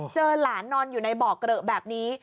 เจอหลานนอนอยู่ในบ่อเกลอะแบบนี้